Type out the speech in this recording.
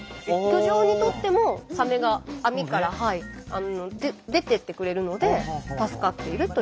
漁場にとってもサメが網から出てってくれるので助かっているという。